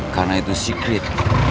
karena itu secret